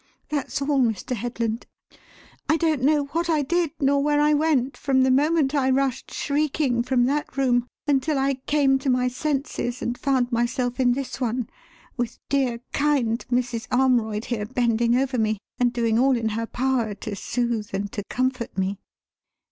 That's all, Mr. Headland. I don't know what I did nor where I went from the moment I rushed shrieking from that room until I came to my senses and found myself in this one with dear, kind Mrs. Armroyd here bending over me and doing all in her power to soothe and to comfort me."